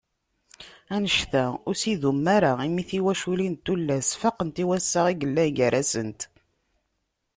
Anect-a, ur as-idum ara imi tiwaculin n tullas, faqent i wassaɣ i yellan gar-asent.